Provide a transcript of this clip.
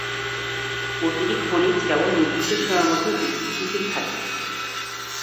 প্রতিটি খনিজ কেবল নির্দিষ্ট সীমার মধ্যে স্থিতিশীল থাকে।